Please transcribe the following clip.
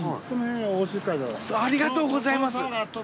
ありがとうございます。